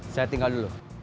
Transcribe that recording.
saya tinggal dulu